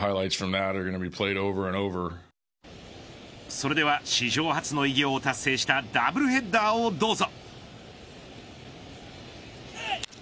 それでは史上初の偉業を達成したダブルヘッダーをどうぞ。